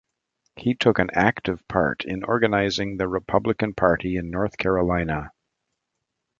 He took an active part in organizing the Republican Party in North Carolina.